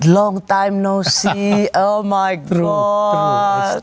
lama tidak melihat oh my god